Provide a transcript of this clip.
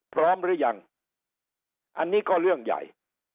พร้อมหรือยังอันนี้ก็เรื่องใหญ่